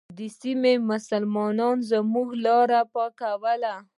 د سیمې مسلمانانو موږ ته لاره پاکوله.